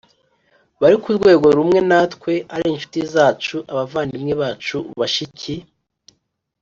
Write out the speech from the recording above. bari ku rwego rumwe natwe, ari inshuti zacu, abavandimwe bacu, bashiki